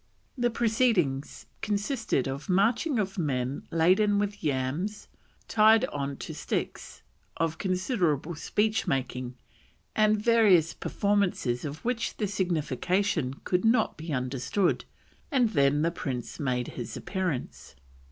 The proceedings consisted of marching of men laden with yams tied on to sticks, of considerable speech making, and various performances of which the signification could not be understood, and then the prince made his appearance.